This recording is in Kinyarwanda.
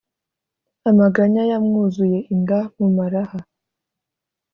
Amaganya yamwuzuye inda mu maraha*.